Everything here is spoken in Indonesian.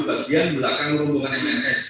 bagian belakang rombongan mrs